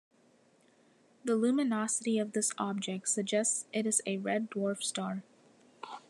The luminosity of this object suggests it is a red dwarf star.